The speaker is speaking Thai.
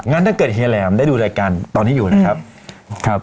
ถ้าเกิดเฮียแหลมได้ดูรายการตอนนี้อยู่นะครับครับ